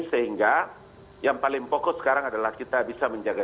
sehingga yang paling fokus sekarang adalah kita bisa menjaga